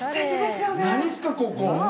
何ですかここ。